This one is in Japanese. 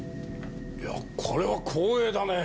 いやこれは光栄だね。